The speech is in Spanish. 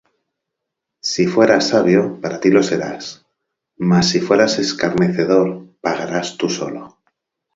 Si fueres sabio, para ti lo serás: Mas si fueres escarnecedor, pagarás tú solo.